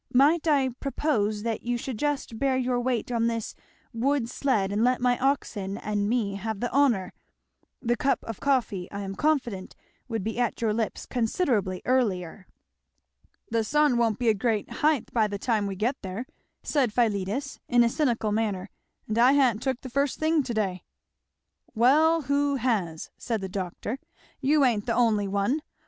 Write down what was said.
Might I propose that you should just bear your weight on this wood sled and let my oxen and me have the honour The cup of coffee, I am confident, would be at your lips considerably earlier " "The sun won't be a great haighth by the time we get there," said Philetus in a cynical manner; "and I ha'n't took the first thing to day!" "Well who has?" said the doctor; "you ain't the only one.